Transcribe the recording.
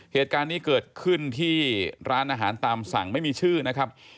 เหตุการณ์นี้เกิดขึ้นที่ร้านอาหารตามสั่งไม่มีชื่อนะครับ